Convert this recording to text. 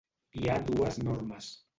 Hi ha dues normes.